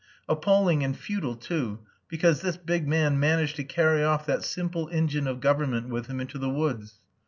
Appalling and futile too, because this big man managed to carry off that simple engine of government with him into the woods.